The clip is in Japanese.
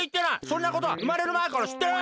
そんなことはうまれるまえからしってる！